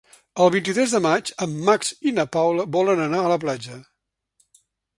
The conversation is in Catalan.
El vint-i-tres de maig en Max i na Paula volen anar a la platja.